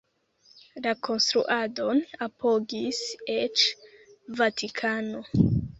La konstruadon apogis eĉ Vatikano.